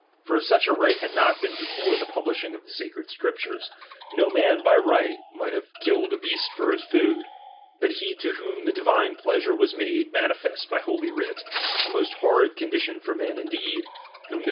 For if such a right had not been before the publishing of the Sacred Scriptures, no man by right might have VOL. II. I I 114 DOMINION. 1. killed a beast for his food, but he to whom the di vine pleasure was made manifest by holy writ ; a most hard conditiou for men indeed, whom the